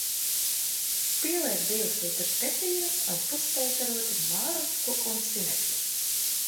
Pieliek divus litrus kefīra un pustējkaroti mārrutku un sinepju.